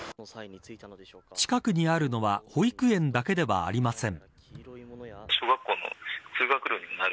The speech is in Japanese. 近くにあるのは保育園だけではありません。